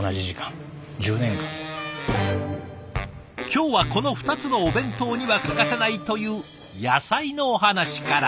今日はこの２つのお弁当には欠かせないという野菜のお話から。